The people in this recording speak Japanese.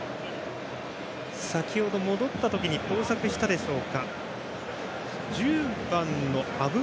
先程戻った時に交錯したでしょうか。